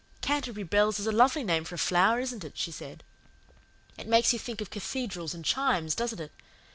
"Canterbury Bells is a lovely name for a flower, isn't it?" she said. "It makes you think of cathedrals and chimes, doesn't it?